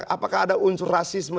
apakah ada unsur rasisme